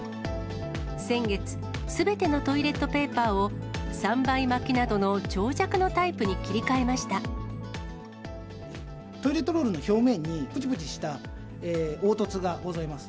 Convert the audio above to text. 先月、すべてのトイレットペーパーを３倍巻きなどの長尺のタイプに切りトイレットロールの表面に、ぷちぷちした凹凸がございます。